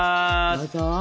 どうぞ！